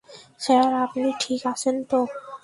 Sir, আপনি ঠিক আছেন তো?